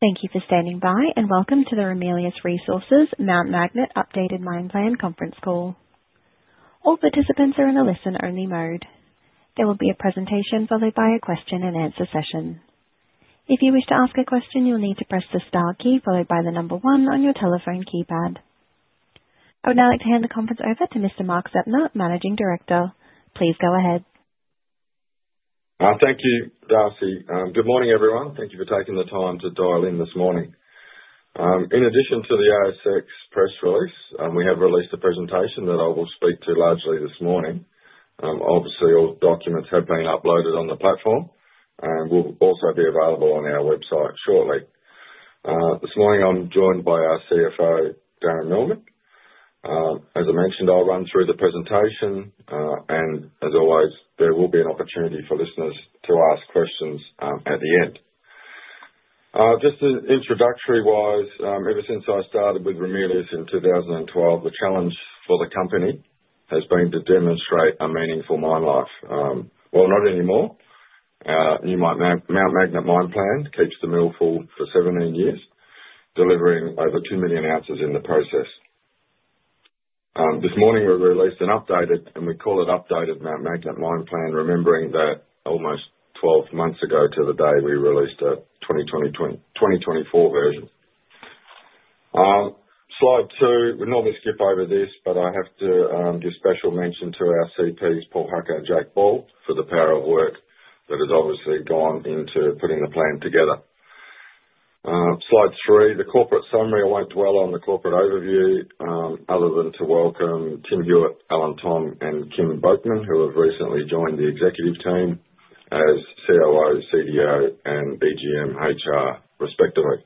Thank you for standing by, and welcome to the Ramelius Resources Mount Magnet Updated Mine Plan conference call. All participants are in a listen-only mode. There will be a presentation followed by a question-and-answer session. If you wish to ask a question, you'll need to press the star key followed by the number one on your telephone keypad. I would now like to hand the conference over to Mr. Mark Zeptner, Managing Director. Please go ahead. Thank you, Darcy. Good morning, everyone. Thank you for taking the time to dial in this morning. In addition to the ASX press release, we have released a presentation that I will speak to largely this morning. Obviously, all documents have been uploaded on the platform and will also be available on our website shortly. This morning, I'm joined by our CFO, Darren Millman. As I mentioned, I'll run through the presentation, and as always, there will be an opportunity for listeners to ask questions at the end. Just introductory-wise, ever since I started with Ramelius in 2012, the challenge for the company has been to demonstrate a meaningful mine life. Not anymore. Mount Magnet Mine Plan keeps the mill full for 17 years, delivering over 2 million oz in the process. This morning, we released an updated, and we call it updated, Mount Magnet Mine Plan, remembering that almost 12 months ago to the day we released a 2024 version. Slide two, we normally skip over this, but I have to give special mention to our CPs, Paul Hucker and Jake Ball, for the power of work that has obviously gone into putting the plan together. Slide three, the corporate summary. I will not dwell on the corporate overview other than to welcome Tim Hewitt, Alan Thom, and Kim Bodman, who have recently joined the executive team as COO, CDO, and EGM HR, respectively.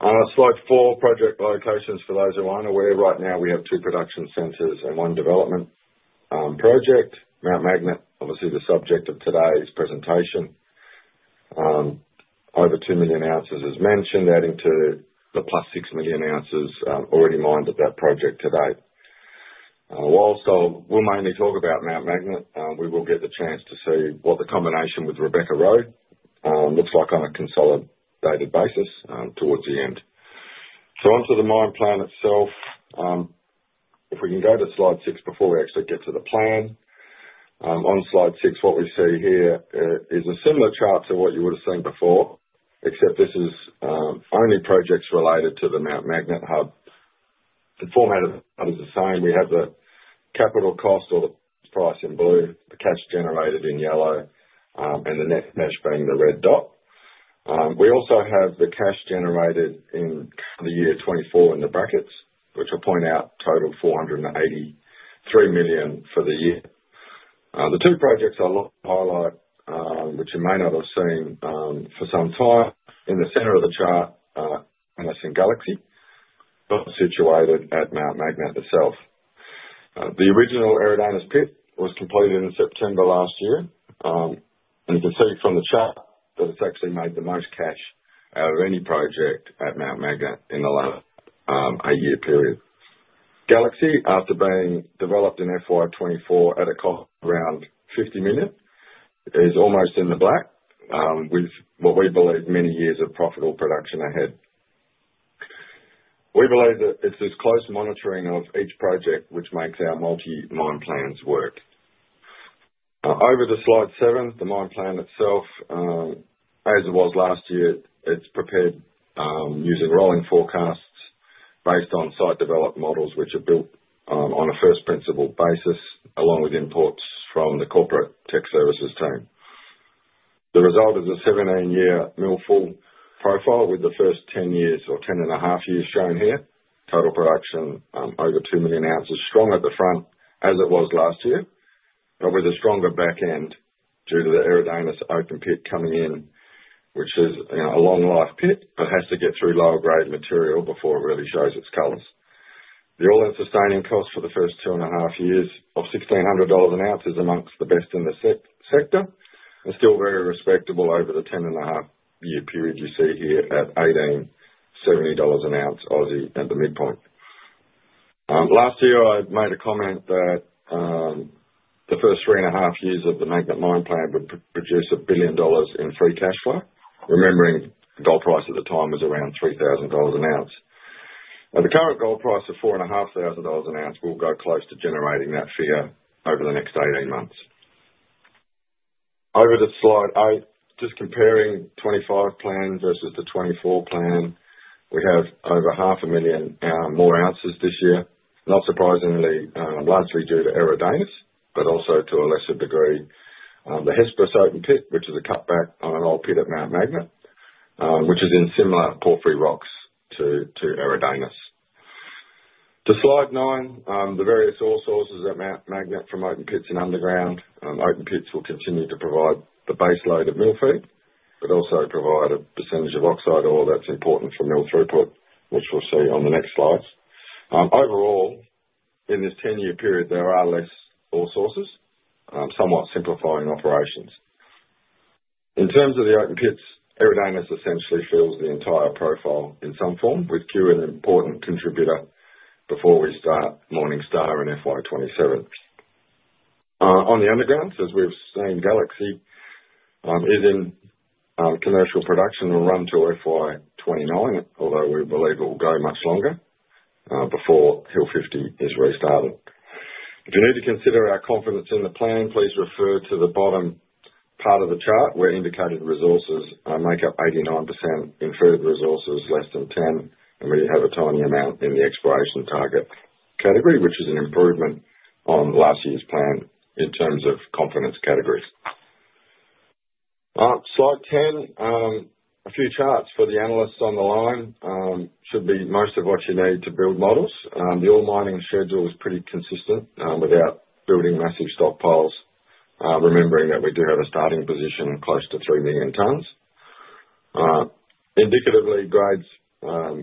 Slide four, project locations. For those who are not aware, right now we have two production centers and one development project. Mount Magnet, obviously, the subject of today's presentation. Over 2 million oz as mentioned, adding to the plus 6 million oz already mined at that project today. Whilst we'll mainly talk about Mount Magnet, we will get the chance to see what the combination with Rebecca-Roe looks like on a consolidated basis towards the end. Onto the mine plan itself. If we can go to slide six before we actually get to the plan. On slide six, what we see here is a similar chart to what you would have seen before, except this is only projects related to the Mount Magnet hub. The format of the hub is the same. We have the capital cost or the price in blue, the cash generated in yellow, and the net cash being the red dot. We also have the cash generated in the year 2024 in the brackets, which will point out total 483 million for the year. The two projects I'll highlight, which you may not have seen for some time, in the center of the chart, Eridanus and Galaxy, situated at Mount Magnet itself. The original Eridanus pit was completed in September last year. And you can see from the chart that it's actually made the most cash out of any project at Mount Magnet in the last a year period. Galaxy, after being developed in FY 2024 at a cost of around 50 million, is almost in the black with what we believe many years of profitable production ahead. We believe that it's this close monitoring of each project which makes our multi-mine plans work. Over to slide seven, the mine plan itself, as it was last year, it's prepared using rolling forecasts based on site-developed models, which are built on a first-principle basis, along with inputs from the corporate tech services team. The result is a 17-year mill full profile with the first 10 years or 10 and a half years shown here. Total production over 2 million oz, strong at the front as it was last year, but with a stronger back end due to the Eridanus open pit coming in, which is a long-life pit but has to get through lower-grade material before it really shows its colors. The all-in sustaining cost for the first two and a half years of 1,600 dollars an ounce is amongst the best in the sector and still very respectable over the 10 and a half year period you see here at 1,870 dollars an ounce at the midpoint. Last year, I made a comment that the first three and a half years of the Mount Magnet mine plan would produce 1 billion dollars in free cash flow, remembering gold price at the time was around 3,000 dollars an ounce. At the current gold price of 4,500 dollars an ounce, we'll go close to generating that figure over the next 18 months. Over to slide eight, just comparing the 2025 plan versus the 2024 plan, we have over 500,000 more ounces this year, not surprisingly largely due to Eridanus, but also to a lesser degree the Hesperus open pit, which is a cutback on an old pit at Mount Magnet, which is in similar porphyry rocks to Eridanus. To slide nine, the various ore sources at Mount Magnet from open pits and underground. Open pits will continue to provide the base load of mill feed but also provide a percentage of oxide ore that's important for mill throughput, which we'll see on the next slides. Overall, in this 10-year period, there are less ore sources, somewhat simplifying operations. In terms of the open pits, Eridanus essentially fills the entire profile in some form, with Cue an important contributor before we start Morning Star in FY 2027. On the underground, as we've seen, Galaxy is in commercial production and run to FY 2029, although we believe it will go much longer before Hill 50 is restarted. If you need to consider our confidence in the plan, please refer to the bottom part of the chart where indicated resources make up 89%, inferred resources less than 10%, and we have a tiny amount in the exploration target category, which is an improvement on last year's plan in terms of confidence categories. Slide 10, a few charts for the analysts on the line. Should be most of what you need to build models. The ore mining schedule is pretty consistent without building massive stockpiles, remembering that we do have a starting position close to 3 million tons. Indicatively, grades are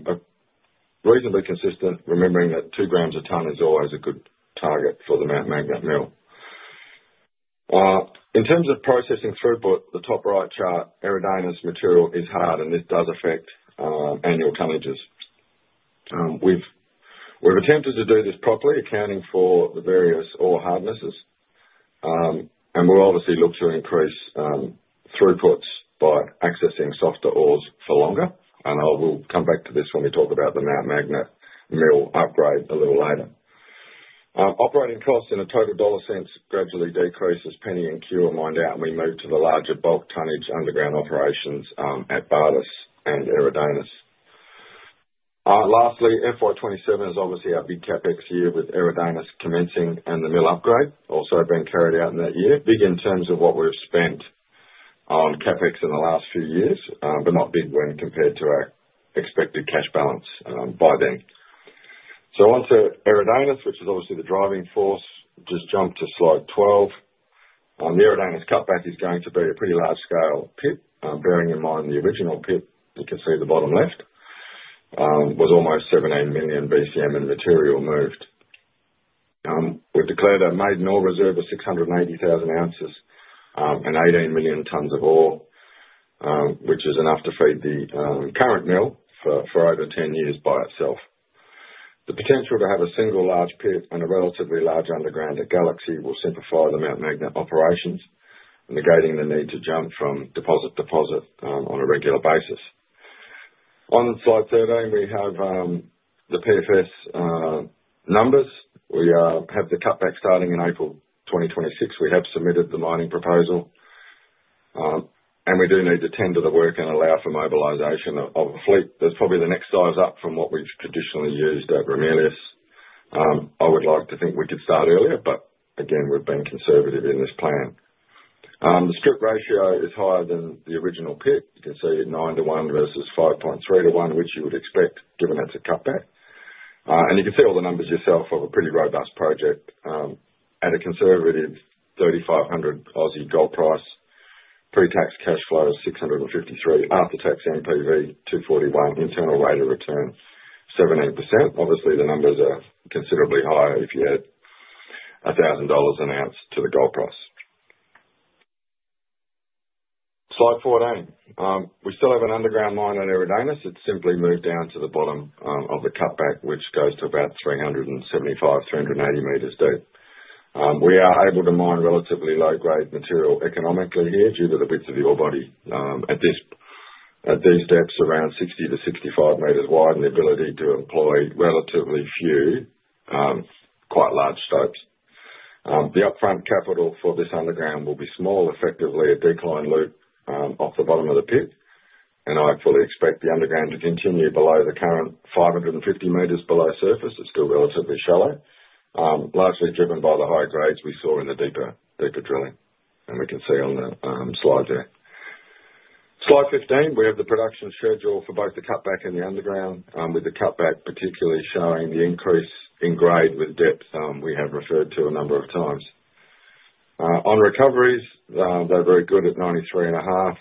reasonably consistent, remembering that 2 g a ton is always a good target for the Mount Magnet mill. In terms of processing throughput, the top right chart, Eridanus material is hard, and this does affect annual tonnages. We've attempted to do this properly, accounting for the various ore hardnesses, and we'll obviously look to increase throughputs by accessing softer ores for longer. We'll come back to this when we talk about the Mount Magnet mill upgrade a little later. Operating costs in a total dollar sense gradually decrease as Penny and Cue are mined out, and we move to the larger bulk tonnage underground operations at Bartus and Eridanus. Lastly, fiscal year 2027 is obviously our big CapEx year with Eridanus commencing and the mill upgrade also being carried out in that year. Big in terms of what we've spent on CapEx in the last few years, but not big when compared to our expected cash balance by then. Onto Eridanus, which is obviously the driving force, just jump to slide 12. The Eridanus cutback is going to be a pretty large-scale pit, bearing in mind the original pit, you can see the bottom left, was almost 17 million BCM in material moved. We declared our maiden ore reserve of 680,000 oz and 18 million tons of ore, which is enough to feed the current mill for over 10 years by itself. The potential to have a single large pit and a relatively large underground at Galaxy will simplify the Mount Magnet operations, negating the need to jump from deposit to deposit on a regular basis. On slide 13, we have the PFS numbers. We have the cutback starting in April 2026. We have submitted the mining proposal, and we do need to tender the work and allow for mobilization of a fleet. There is probably the next size up from what we have traditionally used at Ramelius. I would like to think we could start earlier, but again, we've been conservative in this plan. The strip ratio is higher than the original pit. You can see 9 to 1 versus 5.3 to 1, which you would expect given that's a cutback. You can see all the numbers yourself of a pretty robust project. At a conservative 3,500 gold price, pre-tax cash flow is 653 million, after-tax NPV, 241 million, internal rate of return, 17%. Obviously, the numbers are considerably higher if you add 1,000 dollars an ounce to the gold price. Slide 14. We still have an underground mine at Eridanus. It's simply moved down to the bottom of the cutback, which goes to about 375 m-380 m deep. We are able to mine relatively low-grade material economically here due to the width of the ore body. At these depths, around 60 m-65 m wide and the ability to employ relatively few quite large stops. The upfront capital for this underground will be small, effectively a decline loop off the bottom of the pit. I fully expect the underground to continue below the current 550 m below surface. It is still relatively shallow, largely driven by the high grades we saw in the deeper drilling, and we can see on the slide there. Slide 15, we have the production schedule for both the cutback and the underground, with the cutback particularly showing the increase in grade with depth we have referred to a number of times. On recoveries, they are very good at 93.5%.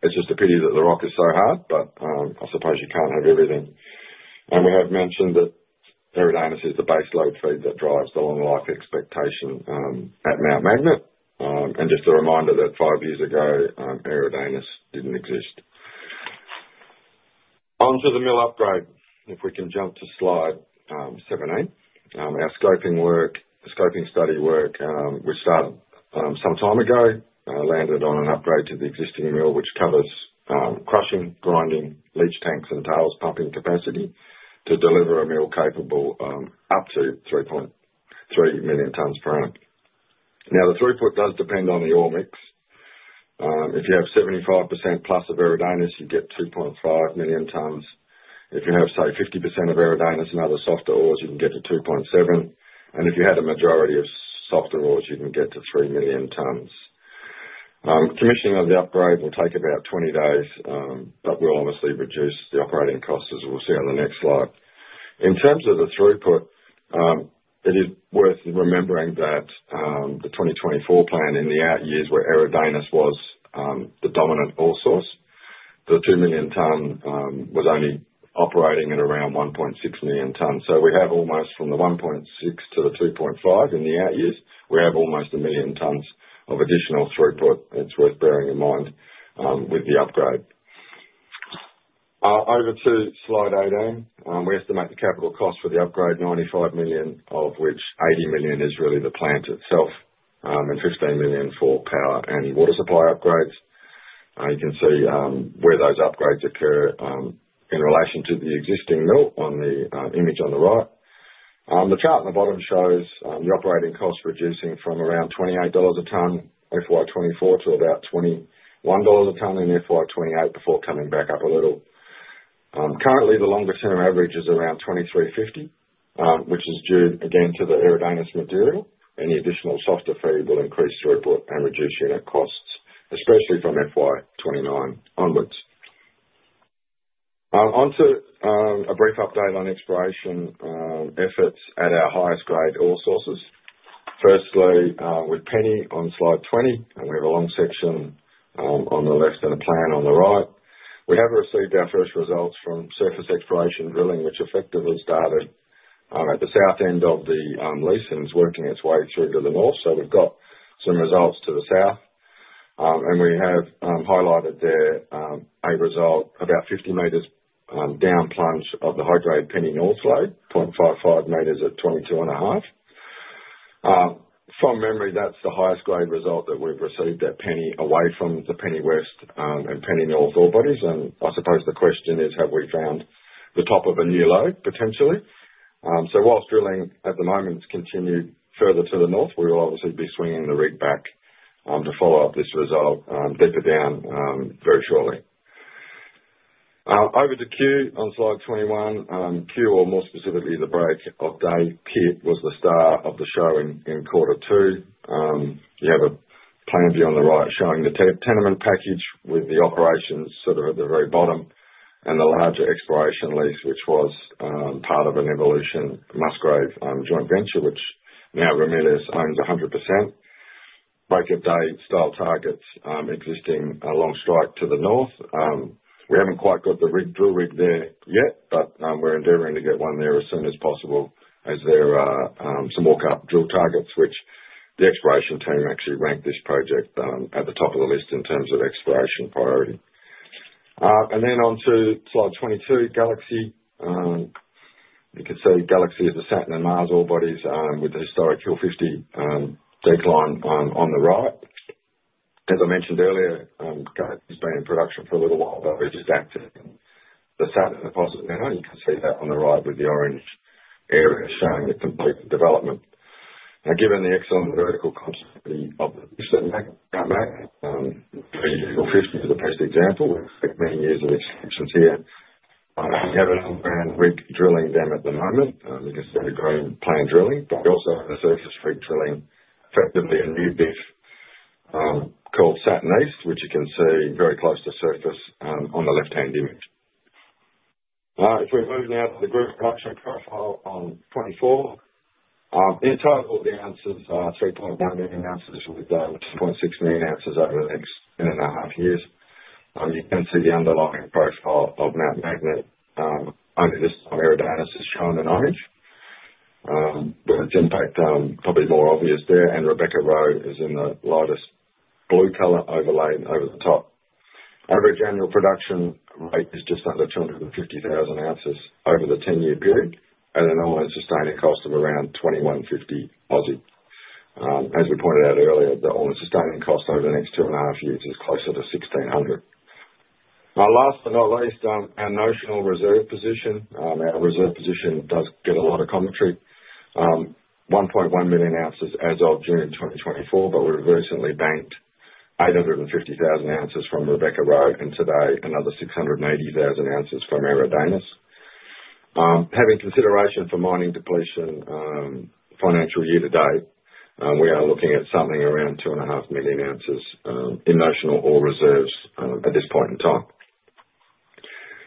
It is just a pity that the rock is so hard, but I suppose you cannot have everything. We have mentioned that Eridanus is the base load feed that drives the long-life expectation at Mount Magnet. Just a reminder that five years ago, Eridanus did not exist. Onto the mill upgrade. If we can jump to slide 17, our scoping study work, which started some time ago, landed on an upgrade to the existing mill, which covers crushing, grinding, leach tanks, and tails pumping capacity to deliver a mill capable up to 3.3 million tons per annum. Now, the throughput does depend on the ore mix. If you have 75%+ of Eridanus, you get 2.5 million tons. If you have, say, 50% of Eridanus and other softer ores, you can get to 2.7 million tons. If you had a majority of softer ores, you can get to 3 million tons. Commissioning of the upgrade will take about 20 days, but we'll obviously reduce the operating costs, as we'll see on the next slide. In terms of the throughput, it is worth remembering that the 2024 plan in the out years where Eridanus was the dominant ore source, the 2 million ton was only operating at around 1.6 million tons. We have almost from the 1.6 million tons to the 2.5 million tons in the out years, we have almost a million tons of additional throughput. It is worth bearing in mind with the upgrade. Over to slide 18, we estimate the capital cost for the upgrade, 95 million, of which 80 million is really the plant itself and 15 million for power and water supply upgrades. You can see where those upgrades occur in relation to the existing mill on the image on the right. The chart on the bottom shows the operating cost reducing from around 28 dollars a ton in FY 2024 to about 21 dollars a ton in FY 2028 before coming back up a little. Currently, the longer-term average is around 2,350, which is due again to the Eridanus material. Any additional softer feed will increase throughput and reduce unit costs, especially from FY 2029 onwards. Onto a brief update on exploration efforts at our highest-grade ore sources. Firstly, with Penny on slide 20, and we have a long section on the left and a plan on the right. We have received our first results from surface exploration drilling, which effectively started at the south end of the lease and is working its way through to the north. We have got some results to the south. We have highlighted there a result about 50 m down plunge of the high-grade Penny North lode, 0.55 m at 22.5. From memory, that's the highest-grade result that we've received at Penny away from the Penny West and Penny North ore bodies. I suppose the question is, have we found the top of a new lode, potentially? Whilst drilling at the moment continued further to the north, we will obviously be swinging the rig back to follow up this result deeper down very shortly. Over to Cue on slide 21. Cue, or more specifically the Break of Day pit, was the star of the show in quarter two. You have a plan view on the right showing the tenement package with the operations sort of at the very bottom and the larger exploration lease, which was part of an Evolution Musgrave joint venture, which now Ramelius owns 100%. Break of Day style targets, existing long strike to the north. We have not quite got the drill rig there yet, but we are endeavoring to get one there as soon as possible as there are some walk-up drill targets, which the exploration team actually ranked this project at the top of the list in terms of exploration priority. Onto slide 22, Galaxy. You can see Galaxy is the Sat and the Mars ore bodies with the historic Hill 50 decline on the right. As I mentioned earlier, Galaxy's been in production for a little while, but we're just accessing the Sat and. You can see that on the right with the orange area showing the complete development. Now, given the excellent vertical continuity of the Mount Magnet or 50 for the best example, we expect many years of extensions here. We have an underground rig drilling them at the moment. You can see the green plan drilling, but we also have a surface rig drilling, effectively a new pit called Saturn East, which you can see very close to surface on the left-hand image. If we move now to the group production profile on 24, in total, the ounces are 3.1 million oz with down to 0.6 million oz over the next 10 and a half years. You can see the underlying profile of Mount Magnet. Only this time Eridanus is shown in orange, but its impact probably more obvious there. Rebecca is in the lightest blue color overlay over the top. Average annual production rate is just under 250,000 oz over the 10-year period, at an all-in sustaining cost of around 2,150. As we pointed out earlier, the all-in sustaining cost over the next two and a half years is closer to 1,600. Now, last but not least, our notional reserve position. Our reserve position does get a lot of commentary. 1.1 million oz as of June 2024, but we have recently banked 850,000 oz from Rebecca and today another 680,000 oz from Eridanus. Having consideration for mining depletion financial year to date, we are looking at something around 2.5 million oz in notional ore reserves at this point in time.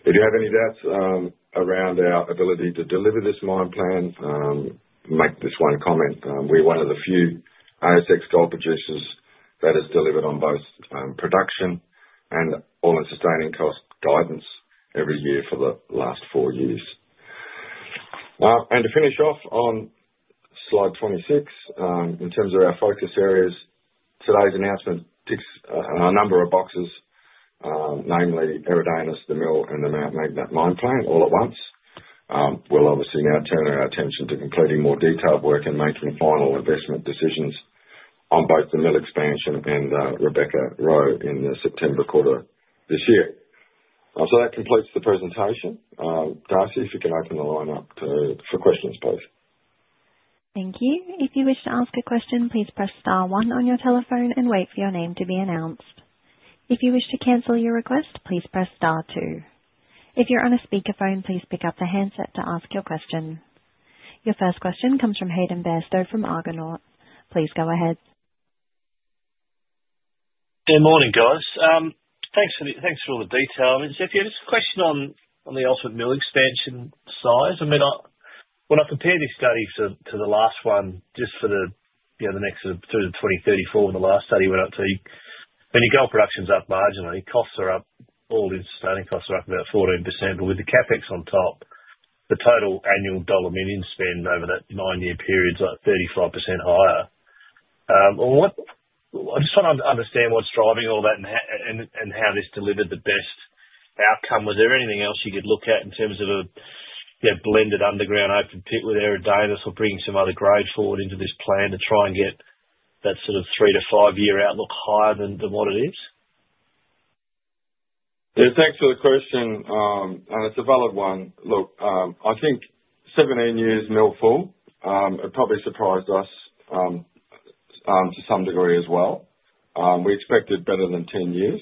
If you have any doubts around our ability to deliver this mine plan, make this one comment. We're one of the few ASX gold producers that has delivered on both production and all-in sustaining cost guidance every year for the last four years. To finish off on slide 26, in terms of our focus areas, today's announcement ticks a number of boxes, namely Eridanus, the mill, and the Mount Magnet mine plan all at once. We'll obviously now turn our attention to completing more detailed work and making final investment decisions on both the mill expansion and Rebecca in the September quarter this year. That completes the presentation. Darcy, if you can open the line up for questions, please. Thank you. If you wish to ask a question, please press star one on your telephone and wait for your name to be announced. If you wish to cancel your request, please press star two. If you're on a speakerphone, please pick up the handset to ask your question. Your first question comes from Hayden Bairstow from Argonaut. Please go ahead. Good morning, guys. Thanks for all the detail. I mean, Zeptner, just a question on the Oxford mill expansion size. I mean, when I compare these studies to the last one, just for the next sort of through to 2034, when the last study went up to when your gold production's up marginally, costs are up, all-in sustaining costs are up about 14%. But with the CapEx on top, the total annual dollar minimum spend over that nine-year period's like 35% higher. I'm just trying to understand what's driving all that and how this delivered the best outcome. Was there anything else you could look at in terms of a blended underground open pit with Eridanus or bringing some other grades forward into this plan to try and get that sort of three- to five-year outlook higher than what it is? Yeah, thanks for the question. It's a valid one. Look, I think seven, eight years mill full, it probably surprised us to some degree as well. We expected better than 10 years.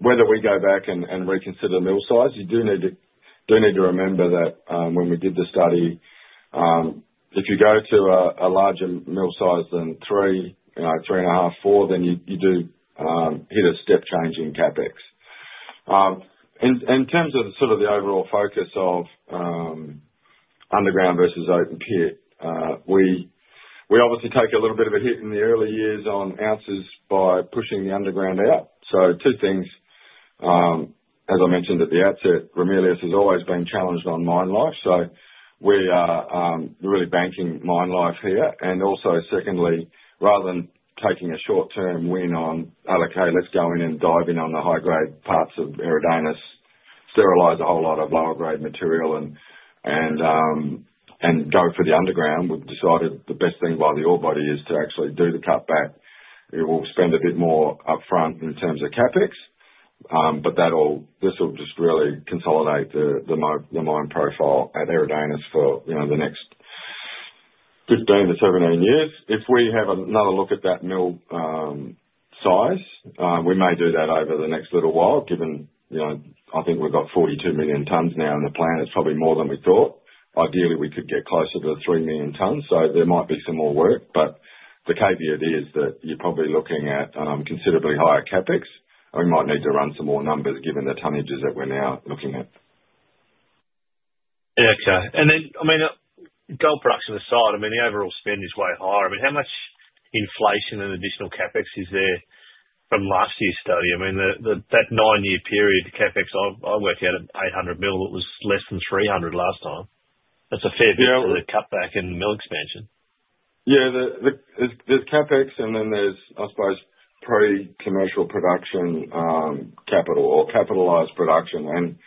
Whether we go back and reconsider mill size, you do need to remember that when we did the study, if you go to a larger mill size than three, three and a half, four, then you do hit a step-changing CapEx. In terms of sort of the overall focus of underground versus open pit, we obviously take a little bit of a hit in the early years on ounces by pushing the underground out. Two things, as I mentioned at the outset, Ramelius has always been challenged on mine life. We are really banking mine life here. Secondly, rather than taking a short-term win on, "Okay, let's go in and dive in on the high-grade parts of Eridanus, sterilize a whole lot of lower-grade material, and go for the underground," we've decided the best thing by the ore body is to actually do the cutback. It will spend a bit more upfront in terms of CapEx, but this will just really consolidate the mine profile at Eridanus for the next 15 to 17 years. If we have another look at that mill size, we may do that over the next little while, given I think we've got 42 million tons now in the plan. It's probably more than we thought. Ideally, we could get closer to 3 million tons. There might be some more work, but the caveat is that you're probably looking at considerably higher CapEx. We might need to run some more numbers given the tonnages that we're now looking at. Yeah, okay. I mean, gold production aside, I mean, the overall spend is way higher. I mean, how much inflation and additional CapEx is there from last year's study? I mean, that nine-year period, the CapEx, I worked out at 800 million, it was less than 300 million last time. That's a fair bit for the cutback and the mill expansion. Yeah, there's CapEx, and then there's, I suppose, pre-commercial production capital or capitalized production.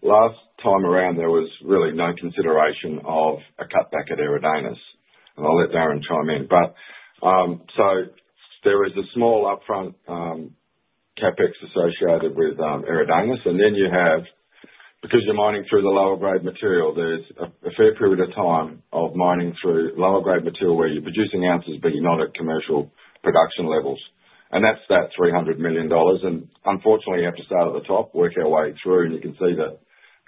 Last time around, there was really no consideration of a cutback at Eridanus. I'll let Darren chime in. There is a small upfront CapEx associated with Eridanus. Then you have, because you're mining through the lower-grade material, there's a fair period of time of mining through lower-grade material where you're producing ounces, but you're not at commercial production levels. That's that 300 million dollars. Unfortunately, you have to start at the top, work our way through, and you can see that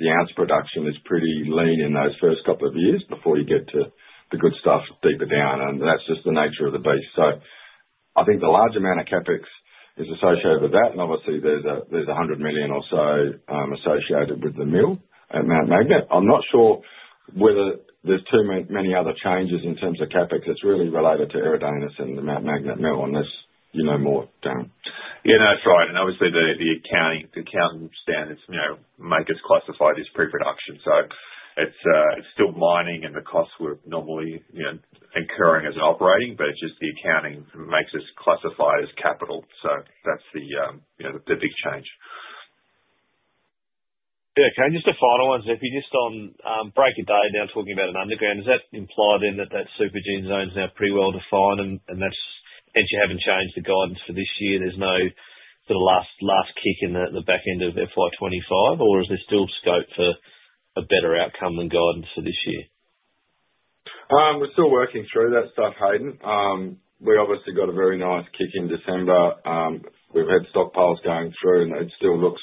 the ounce production is pretty lean in those first couple of years before you get to the good stuff deeper down. That's just the nature of the beast. I think the large amount of CapEx is associated with that. Obviously, there's 100 million or so associated with the mill at Mount Magnet. I'm not sure whether there's too many other changes in terms of CapEx. It's really related to Eridanus and the Mount Magnet mill on this more down. Yeah, no, that's right. Obviously, the accounting standards make us classify this pre-production. It is still mining, and the costs would normally incur as an operating, but the accounting makes us classify it as capital. That is the big change. Yeah, okay. Just a final one, Zeptner, just on Break of Day, now talking about an underground, is that implied in that that supergene zone is now pretty well defined and that you have not changed the guidance for this year? There is no sort of last kick in the back end of FY 2025, or is there still scope for a better outcome than guidance for this year? We're still working through that stuff, Hayden. We obviously got a very nice kick in December. We've had stockpiles going through, and it still looks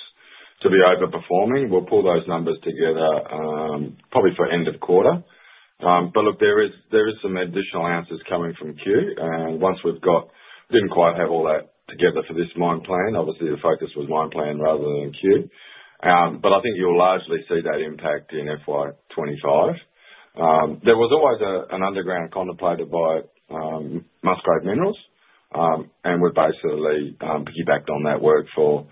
to be overperforming. We'll pull those numbers together probably for end of quarter. There are some additional ounces coming from Cue. Once we've got did not quite have all that together for this mine plan. Obviously, the focus was mine plan rather than Cue. I think you'll largely see that impact in FY 2025. There was always an underground contemplated by Musgrave Minerals, and we've basically piggybacked on that work for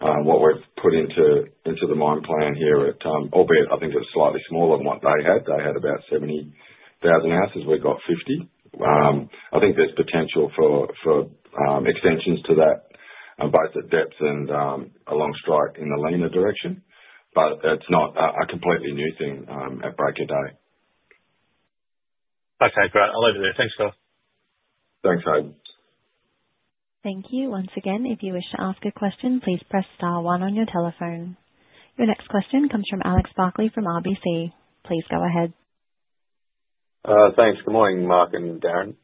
what we've put into the mine plan here at, albeit, I think it's slightly smaller than what they had. They had about 70,000 oz. We've got 50. I think there's potential for extensions to that, both at depth and along strike in the leaner direction. It's not a completely new thing at Break of Day. Okay, great. I'll leave it there. Thanks, guys. Thanks, Hayden. Thank you. Once again, if you wish to ask a question, please press star one on your telephone. Your next question comes from Alex Barkley from RBC. Please go ahead. Thanks. Good morning, Mark and Darren.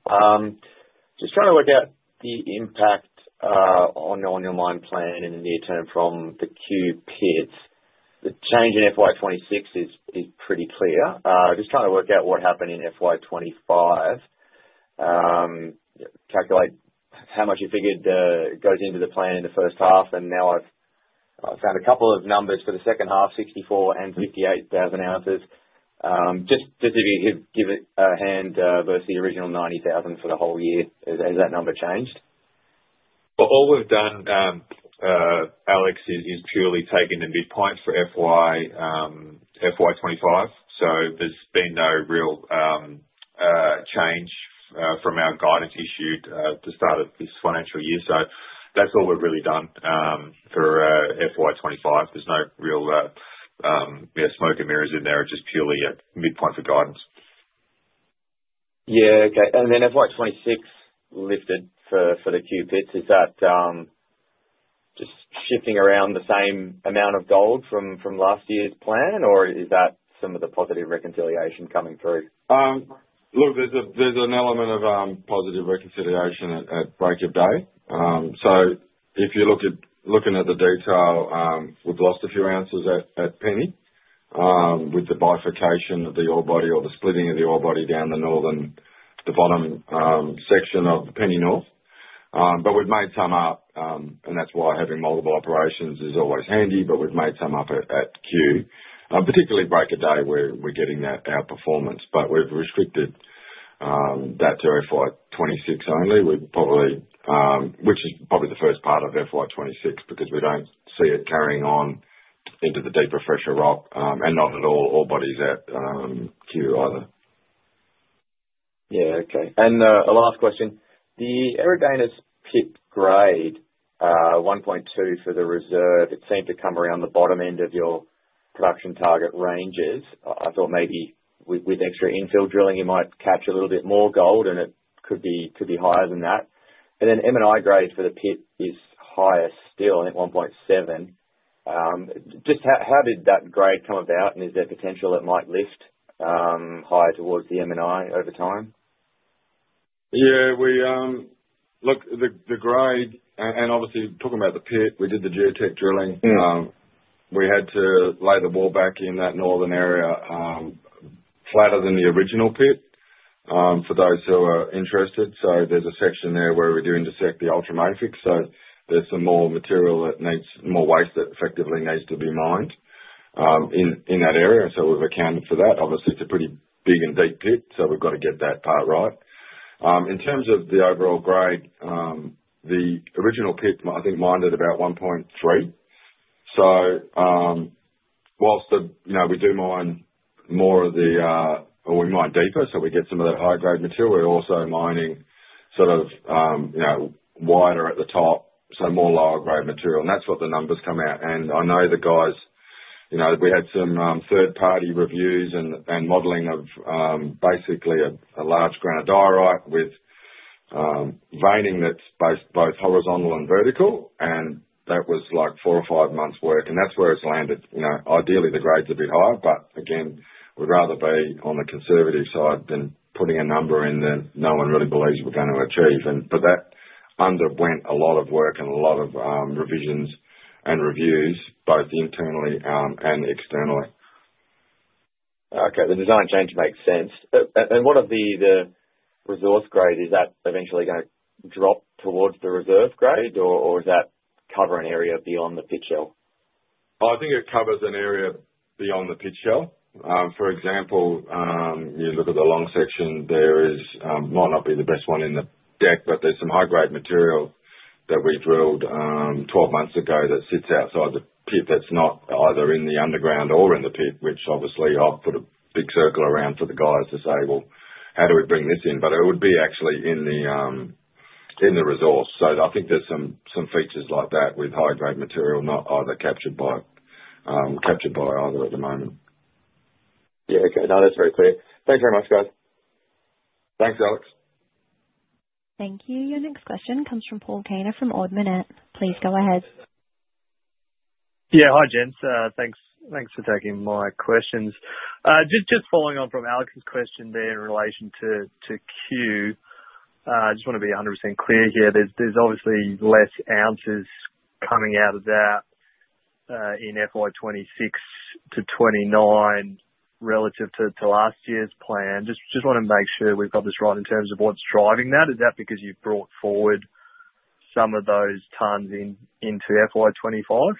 Just trying to work out the impact on your mine plan in the near term from the Cue pit. The change in FY 2026 is pretty clear. Just trying to work out what happened in FY 2025. Calculate how much you figured goes into the plan in the first half, and now I've found a couple of numbers for the second half, 64,000 oz and 58,000 oz. Just if you could give it a hand versus the original 90,000 for the whole year, has that number changed? All we've done, Alex, is purely taking the midpoint for FY 2025. There has been no real change from our guidance issued at the start of this financial year. That is all we've really done for FY 2025. There is no real smoke and mirrors in there. It is just purely a midpoint for guidance. Yeah, okay. FY 2026 lifted for the Cue pits. Is that just shifting around the same amount of gold from last year's plan, or is that some of the positive reconciliation coming through? Look, there's an element of positive reconciliation at Break of Day. If you're looking at the detail, we've lost a few ounces at Penny with the bifurcation of the ore body or the splitting of the ore body down the northern, the bottom section of Penny North. We've made some up, and that's why having multiple operations is always handy. We've made some up at Cue, particularly Break of Day where we're getting that outperformance. We've restricted that to FY 2026 only, which is probably the first part of FY 2026 because we don't see it carrying on into the deeper fresher rock and not at all ore bodies at Cue either. Yeah, okay. A last question. The Eridanus pit grade, 1.2 for the reserve, it seemed to come around the bottom end of your production target ranges. I thought maybe with extra infill drilling, you might catch a little bit more gold, and it could be higher than that. The M&I grade for the pit is higher still, I think 1.7. Just how did that grade come about, and is there potential it might lift higher towards the M&I over time? Yeah, look, the grade, and obviously talking about the pit, we did the geotech drilling. We had to lay the wall back in that northern area, flatter than the original pit for those who are interested. There is a section there where we do intersect the ultramafic. There is some more material that needs more waste that effectively needs to be mined in that area. We have accounted for that. Obviously, it is a pretty big and deep pit, so we have to get that part right. In terms of the overall grade, the original pit, I think, mined at about 1.3. Whilst we do mine more of the or we mine deeper, so we get some of that high-grade material, we are also mining sort of wider at the top, so more lower-grade material. That is what the numbers come out. I know the guys, we had some third-party reviews and modeling of basically a large granodiorite with veining that's both horizontal and vertical, and that was like four- or five-months' work. That is where it's landed. Ideally, the grade's a bit higher, but again, we'd rather be on the conservative side than putting a number in that no one really believes we're going to achieve. That underwent a lot of work and a lot of revisions and reviews, both internally and externally. Okay, the design change makes sense. What of the resource grade, is that eventually going to drop towards the reserve grade, or does that cover an area beyond the pit shell? I think it covers an area beyond the pit shell. For example, you look at the long section, there might not be the best one in the deck, but there's some high-grade material that we drilled 12 months ago that sits outside the pit that's not either in the underground or in the pit, which obviously I've put a big circle around for the guys to say, "How do we bring this in?" It would be actually in the resource. I think there's some features like that with high-grade material not either captured by either at the moment. Yeah, okay. No, that's very clear. Thanks very much, guys. Thanks, Alex. Thank you. Your next question comes from Paul Kaner from Ord Minnett. Please go ahead. Yeah, hi, Gents. Thanks for taking my questions. Just following on from Alex's question there in relation to Cue, I just want to be 100% clear here. There's obviously less ounces coming out of that in FY 2026 to 2029 relative to last year's plan. Just want to make sure we've got this right in terms of what's driving that. Is that because you've brought forward some of those tons into FY 2025?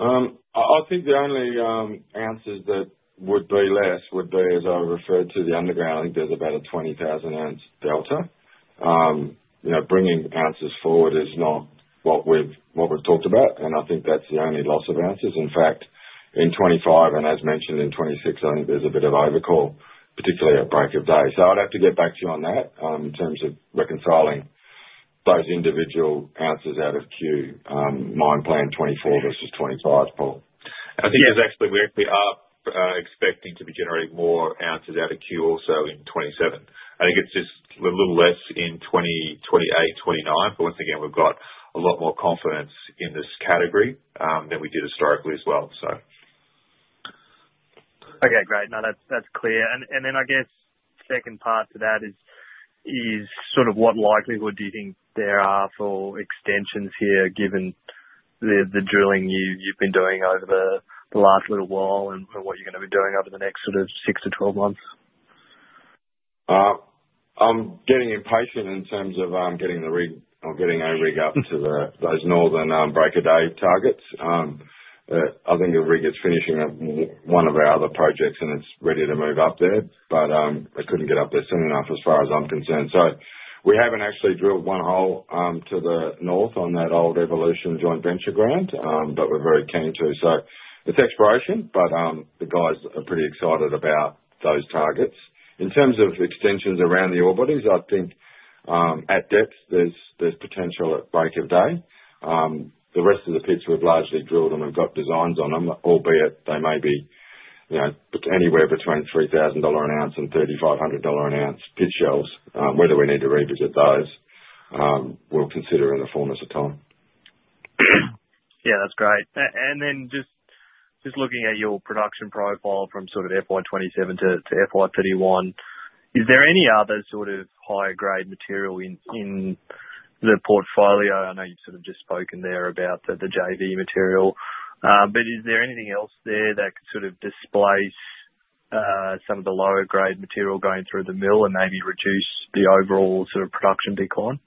I think the only ounces that would be less would be, as I referred to, the underground. I think there's about a 20,000 oz delta. Bringing ounces forward is not what we've talked about, and I think that's the only loss of ounces. In fact, in 2025, and as mentioned in 2026, I think there's a bit of overcall, particularly at Break of Day. I would have to get back to you on that in terms of reconciling those individual ounces out of Cue mine plan 2024 versus 2025, Paul. I think because actually we are expecting to be generating more ounces out of Cue also in 2027. I think it's just a little less in 2028, 2029. Once again, we've got a lot more confidence in this category than we did historically as well, so. Okay, great. That's clear. I guess second part to that is sort of what likelihood do you think there are for extensions here given the drilling you've been doing over the last little while and what you're going to be doing over the next sort of 6 to 12 months? I'm getting impatient in terms of getting the rig or getting our rig up to those northern Break of Day targets. I think the rig is finishing one of our other projects, and it's ready to move up there, but it couldn't get up there soon enough as far as I'm concerned. We haven't actually drilled one hole to the north on that old Evolution Mining joint venture ground, but we're very keen to. It's exploration, but the guys are pretty excited about those targets. In terms of extensions around the ore bodies, I think at depth there's potential at Break of Day. The rest of the pits we've largely drilled and we've got designs on them, albeit they may be anywhere between 3,000 dollar an ounce and 3,500 dollar an ounce pit shells. Whether we need to revisit those, we'll consider in the fullness of time. Yeah, that's great. Just looking at your production profile from sort of FY 2027 to FY 2031, is there any other sort of high-grade material in the portfolio? I know you've sort of just spoken there about the JV material. But is there anything else there that could sort of displace some of the lower-grade material going through the mill and maybe reduce the overall sort of production decline?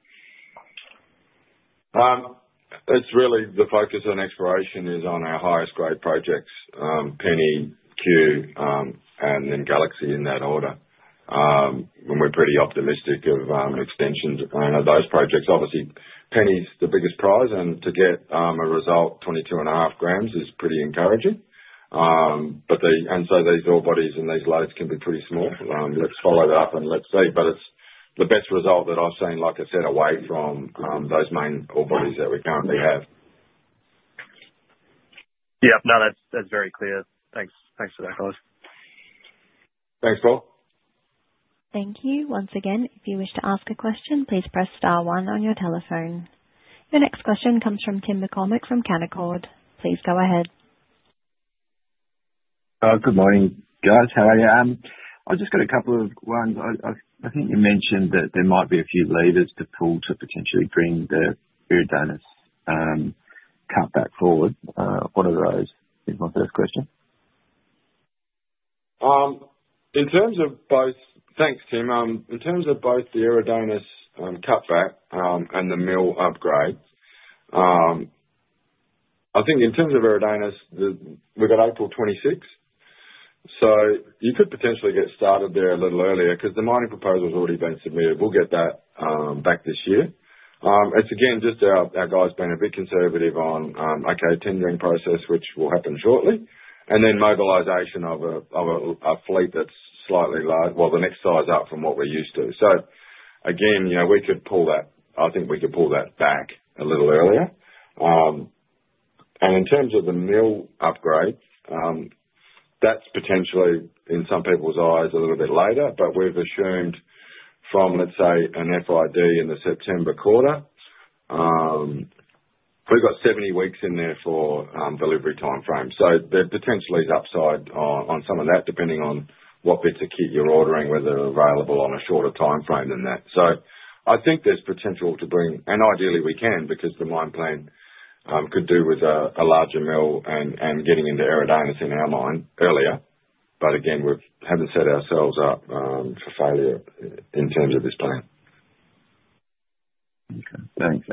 It's really the focus on exploration is on our highest-grade projects, Penny, Cue, and then Galaxy in that order. We are pretty optimistic of extensions. Those projects, obviously, Penny's the biggest prize, and to get a result, 22.5 g, is pretty encouraging. These ore bodies and these loads can be pretty small. Let's follow that up and let's see. It is the best result that I have seen, like I said, away from those main ore bodies that we currently have. Yep, no, that's very clear. Thanks for that, guys. Thanks, Paul. Thank you. Once again, if you wish to ask a question, please press star one on your telephone. Your next question comes from Tim McCormack from Canaccord. Please go ahead. Good morning, guys. How are you? I just got a couple of ones. I think you mentioned that there might be a few levers to pull to potentially bring the Eridanus cutback forward. What are those? Is my first question. Thanks, Tim. In terms of both the Eridanus cutback and the mill upgrade, I think in terms of Eridanus, we have April 2026. You could potentially get started there a little earlier because the mining proposal has already been submitted. We will get that back this year. It is again just our guys being a bit conservative on, okay, tendering process, which will happen shortly, and then mobilization of a fleet that is slightly large, well, the next size up from what we are used to. Again, we could pull that. I think we could pull that back a little earlier. In terms of the mill upgrade, that is potentially, in some people's eyes, a little bit later, but we have assumed from, let us say, an FID in the September quarter, we have 70 weeks in there for delivery timeframe. There potentially is upside on some of that, depending on what bits of kit you're ordering, whether they're available on a shorter timeframe than that. I think there's potential to bring, and ideally we can because the mine plan could do with a larger mill and getting into Eridanus in our mine earlier. Again, we haven't set ourselves up for failure in terms of this plan. Okay, thanks.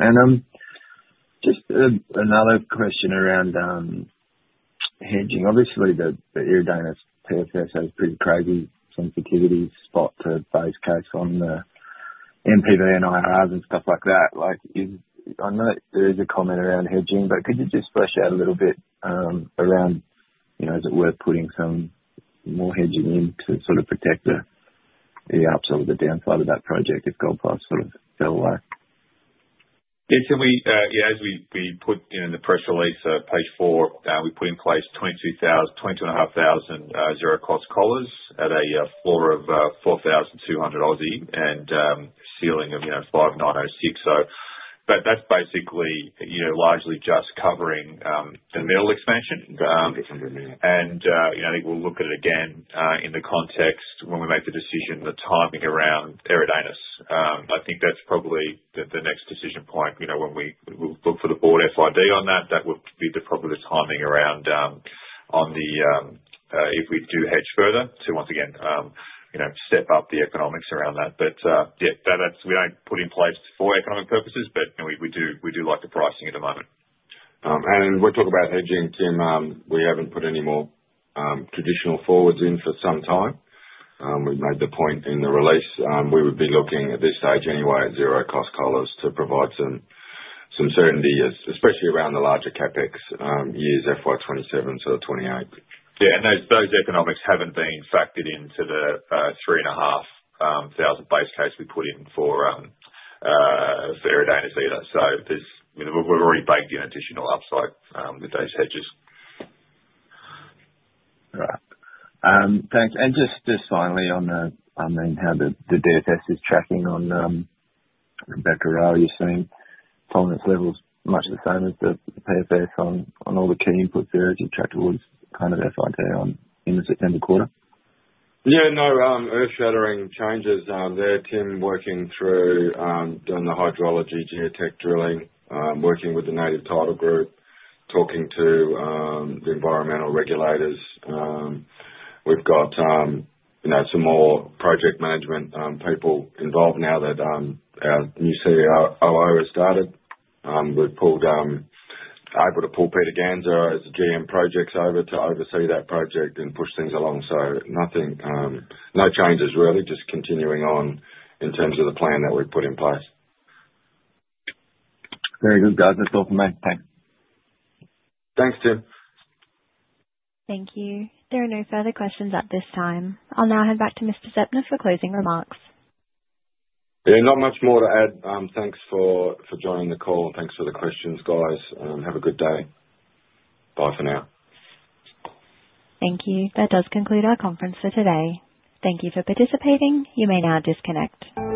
Just another question around hedging. Obviously, the Eridanus PFS has pretty crazy sensitivity spot to base case on the NPV and IRRs and stuff like that. I know there is a comment around hedging, but could you just flesh out a little bit around, is it worth putting some more hedging in to sort of protect the upside or the downside of that project if gold price sort of fell away? Yeah, as we put in the press release, page four, we put in place 22,500 zero cost collars at a floor of 4,200 and ceiling of 5,906. That is basically largely just covering the mill expansion. I think we will look at it again in the context when we make the decision, the timing around Eridanus. I think that is probably the next decision point. When we look for the board FID on that, that would be probably the timing around if we do hedge further to, once again, step up the economics around that. Yeah, we do not put in place for economic purposes, but we do like the pricing at the moment. We are talking about hedging, Tim. We have not put any more traditional forwards in for some time. We made the point in the release. We would be looking at this stage anyway at zero cost collars to provide some certainty, especially around the larger CapEx years, fiscal year 2027 to 2028. Yeah, and those economics have not been factored into the 3,500 base case we put in for Eridanus either. We have already bagged in additional upside with those hedges. All right. Thanks. And just finally on how the DFS is tracking on Rebecca-Roe, you're seeing tolerance levels much the same as the PFS on all the key inputs there as you track towards kind of FID in the September quarter? Yeah, no earth-shattering changes there, Tim, working through doing the hydrology geotech drilling, working with the native title group, talking to the environmental regulators. We've got some more project management people involved now that our new COO has started. We're able to pull Peter Ganser as GM Projects over to oversee that project and push things along. No changes really, just continuing on in terms of the plan that we've put in place. Very good, guys. That's all from me. Thanks. Thanks, Tim. Thank you. There are no further questions at this time. I'll now hand back to Mr. Zeptner for closing remarks. Yeah, not much more to add. Thanks for joining the call. Thanks for the questions, guys. Have a good day. Bye for now. Thank you. That does conclude our conference for today. Thank you for participating. You may now disconnect.